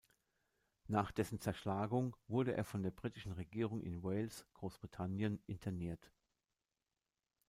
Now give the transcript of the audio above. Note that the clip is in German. Nach dessen Zerschlagung wurde er von der britischen Regierung in Wales, Großbritannien, interniert.